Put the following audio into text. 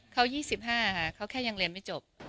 เขายี่สิบห้าเขาแค่ยังเรียนไม่จบ